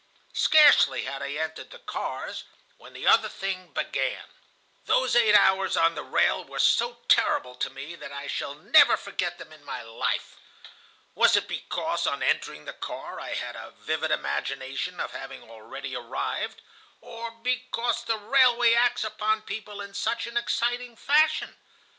Scarcely had I entered the cars, when the other thing began. Those eight hours on the rail were so terrible to me that I shall never forget them in my life. Was it because on entering the car I had a vivid imagination of having already arrived, or because the railway acts upon people in such an exciting fashion?